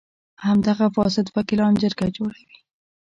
همدغه فاسد وکیلان جرګه جوړوي.